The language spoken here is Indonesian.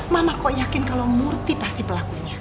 mama kok yakin kalau murti pasti pelakunya